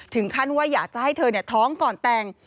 ถึงขั้นว่าอยากจะให้เธอท้องก่อนแต่ง